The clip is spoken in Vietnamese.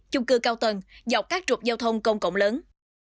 chung cư cao tầng dọc các trục giao thông công cộng lớn